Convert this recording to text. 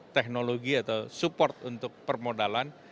teknologi atau support untuk permodalan